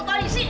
ampun t dewi